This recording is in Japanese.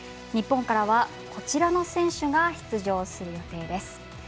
日本からは、こちらの選手が出場する予定です。